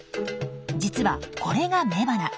実はこれが雌花。